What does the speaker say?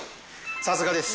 さすがです。